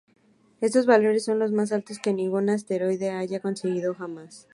Estos valores son los más altos que ningún asteroide haya conseguido jamás.